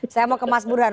saya mau ke mas burhan